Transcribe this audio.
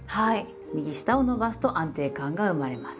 右下を伸ばすと安定感が生まれます。